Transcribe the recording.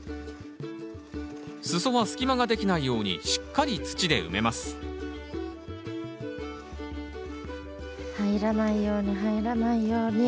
裾は隙間ができないようにしっかり土で埋めます入らないように入らないように。